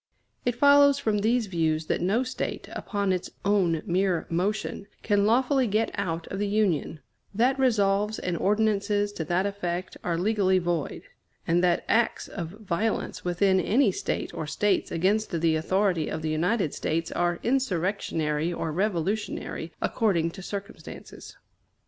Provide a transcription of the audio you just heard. It follows from these views that no State, upon its own mere motion, can lawfully get out of the Union; that resolves and ordinances to that effect are legally void; and that acts of violence within any State or States against the authority of the United States are insurrectionary or revolutionary, according to circumstances.